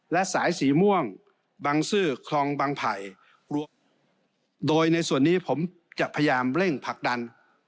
และสายสีม่วงบังซื้อคลองบางไผ่โดยในส่วนนี้ผมจะพยายามเร่งผลักดัน